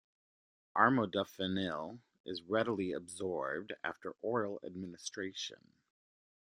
Armodafinil is readily absorbed after oral administration.